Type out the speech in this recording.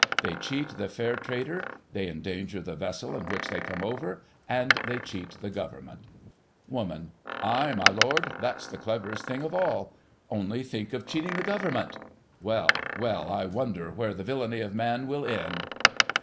They cheat the fair trader, they endanger the vessel in which they come over, and they cheat the Government. Woman : Ay, my Lord, that's the cleverest thing of all. Only think of cheating the Government! Well, well, I wonder where the villainy of man will end